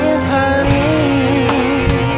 ยังเพราะความสำคัญ